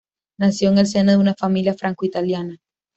Nació en el seno de una familia franco-italiana.